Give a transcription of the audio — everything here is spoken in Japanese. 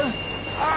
ああ。